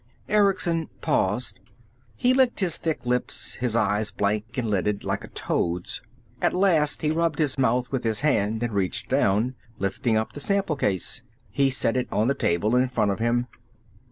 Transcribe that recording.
Erickson paused. He licked his thick lips, his eyes blank and lidded, like a toad's. At last he rubbed his mouth with his hand and reached down, lifting up the sample case. He set it on the table in front of him.